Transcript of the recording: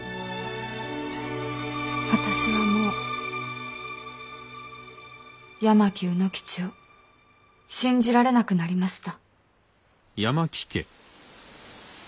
私はもう八巻卯之吉を信じられなくなりました。